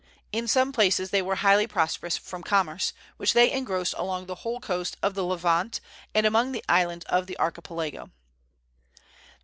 In some places they were highly prosperous from commerce, which they engrossed along the whole coast of the Levant and among the islands of the Archipelago.